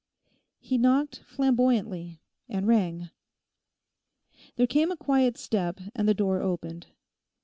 He knocked flamboyantly, and rang. There came a quiet step and the door opened.